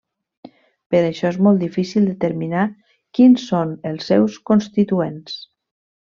Per això, és molt difícil determinar quins són els seus constituents.